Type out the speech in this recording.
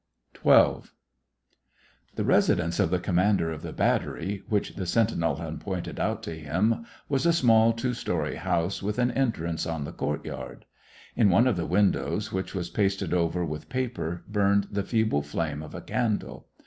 1 82 SEVASTOPOL IN AUGUST. XII. The residence of the commander of the battery, which the sentinel had pointed out to him, was a small, two story house, with an entrance on the court yard. In one of the windows, which was pasted over with paper, burned the feeble flame of a candle.